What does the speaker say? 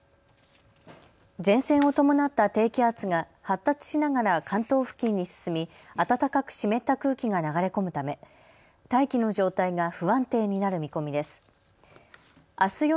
前線を伴った低気圧が発達しながら関東付近に進み暖かく湿った空気が流れ込むため大気の状態が不安定になる見込みです。